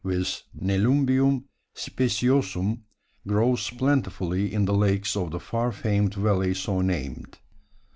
the Nelumbium speciosum, grows plentifully in the lakes of the far famed valley so named.